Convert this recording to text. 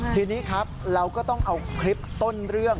ทีนี้ครับเราก็ต้องเอาคลิปต้นเรื่อง